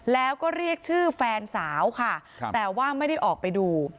แล้วก็เรียกชื่อแฟนสาวค่ะแต่ว่าไม่ได้ออกไปดู